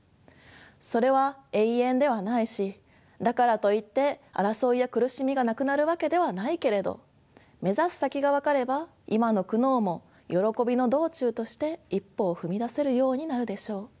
それは永遠ではないしだからといって争いや苦しみがなくなるわけではないけれど目指す先が分かれば今の苦悩も「よろこびの道中」として一歩を踏み出せるようになるでしょう。